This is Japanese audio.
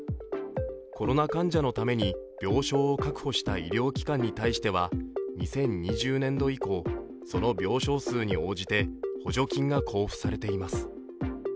コロナ患者のために病床を確保した医療機関に対しては２０２０年度以降、その病床数に応じて補助金が交付されています。